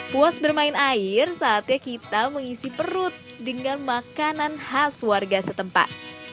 puas bermain air saatnya kita mengisi perut dengan makanan khas warga setempat